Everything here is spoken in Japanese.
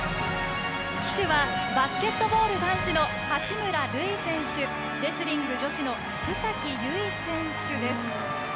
旗手はバスケットボール男子の八村塁選手、レスリング女子の須崎優衣選手です。